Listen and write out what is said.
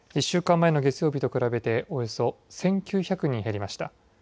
１週間前の月曜日と比べて、およそ１９００人減りました。